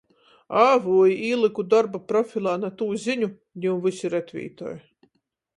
A vui, īlyku dorba profilā na tū ziņu, niu vysi retvītoj.